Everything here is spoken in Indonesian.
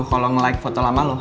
kalau ngelike foto lama lo